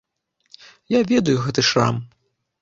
Я ведаю гэты шрам.